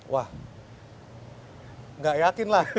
wah nggak yakin lah